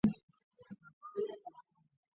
但在解释拉美国家的军事政变时遇到困难。